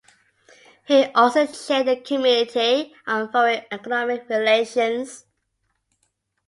He also chaired the committee on foreign economic relations.